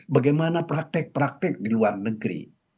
bagaimana praktek praktek di luar negeri